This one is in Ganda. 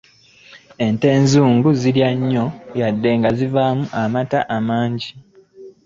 Ente enzungu zirya nnyo wadde zivaamu amata mangi.